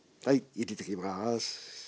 入れていきます。